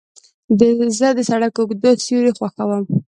زه د سړک اوږده سیوري خوښوم.